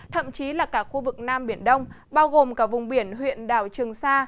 thậm chí là cả khu vực nam biển đông bao gồm cả vùng biển huyện đảo trường sa